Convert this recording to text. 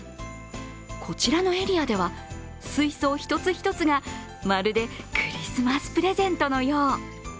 こちらのエリアでは、水槽一つ一つがまるでクリスマスプレゼントのよう。